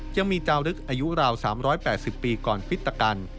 ยังมีจารึกอายุราว๓๘๐ปีก่อนฟิตกัน